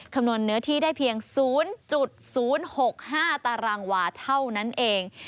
คำนวณเนื้อที่ได้เพียง๐๐๖๕ตารางวาเท่านั้นเอง